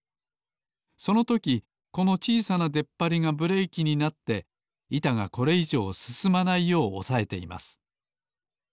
そのときこのちいさなでっぱりがブレーキになっていたがこれいじょうすすまないようおさえています。